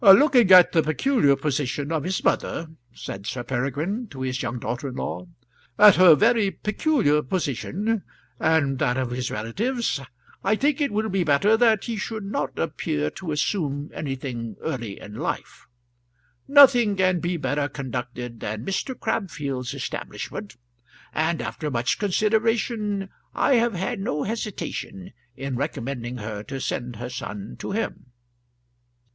"Looking at the peculiar position of his mother," said Sir Peregrine to his young daughter in law, "at her very peculiar position, and that of his relatives, I think it will be better that he should not appear to assume anything early in life; nothing can be better conducted than Mr. Crabfield's establishment, and after much consideration I have had no hesitation in recommending her to send her son to him."